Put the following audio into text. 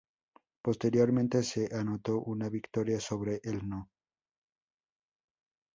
Posteriormente se anotó una victoria sobre el no.